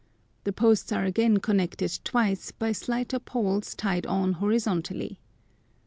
The posts are again connected twice by slighter poles tied on horizontally.